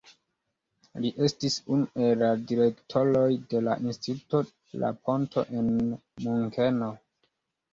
Li estis unu el la direktoroj de la Instituto La Ponto en Munkeno.